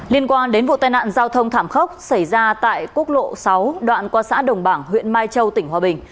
liên quan đến vụ tai nạn giao thông thảm khốc xảy ra tại quốc lộ sáu đoạn qua xã đồng bảng huyện mai châu tỉnh hòa bình